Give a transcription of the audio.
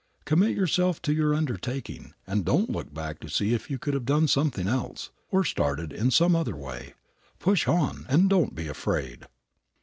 Commit yourself to your undertaking, and don't look back to see if you could have done something else, or started in some other way. Push on, and don't be afraid.